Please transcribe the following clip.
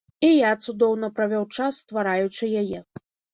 І я цудоўна правёў час, ствараючы яе.